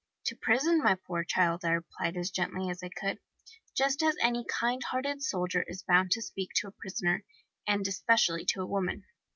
"'To prison, my poor child,' I replied, as gently as I could, just as any kind hearted soldier is bound to speak to a prisoner, and especially to a woman.